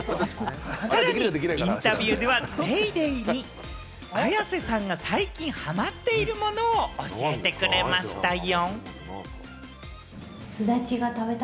さらにインタビューでは『ＤａｙＤａｙ．』に綾瀬さんが最近ハマっているものを教えてくれましたよ。